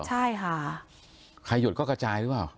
ใช่ค่ะใครหยุดก็กระจายหรือเปล่า